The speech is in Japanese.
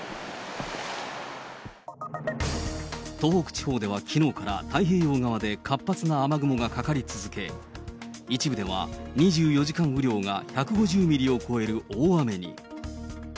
東北地方ではきのうから、太平洋側で活発な雨雲がかかり続け、一部では２４時間雨量が１５０ミリを超える大雨に。